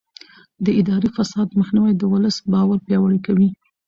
د اداري فساد مخنیوی د ولس باور پیاوړی کوي.